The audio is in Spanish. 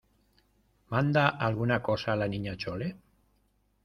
¿ manda alguna cosa la Niña Chole?